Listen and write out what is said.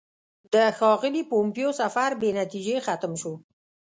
د ښاغلي پومپیو سفر بې نتیجې ختم شو.